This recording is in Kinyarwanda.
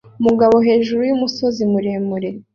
Umugabo hejuru yumusozi muremure